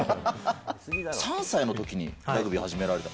３歳のときにラグビーを始められた？